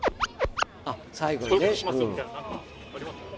あっ最後にね。